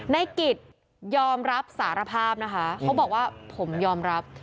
ในกิจยอมรับสารภาพนะคะเขาบอกว่าผมยอมรับ